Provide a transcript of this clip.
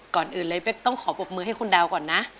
ก่อนอื่นเลยเป๊กต้องขอปรบมือให้คุณดาวก่อนนะ